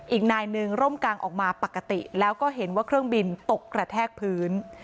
อีกนายหนึ่งร่มกลางออกมาปกติแล้วก็เห็นว่าเครื่องบินตกกระแทกพื้น